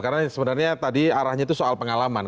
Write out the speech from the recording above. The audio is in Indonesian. karena sebenarnya tadi arahnya itu soal pengalaman